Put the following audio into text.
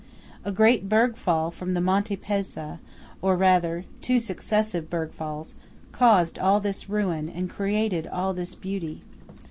A great bergfall from the Monte Pezza–or rather two successive bergfalls–caused all this ruin, and created all this beauty.